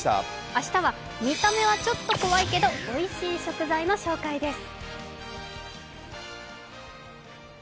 明日は見た目はちょっと怖いけどおいしい食材の紹介です。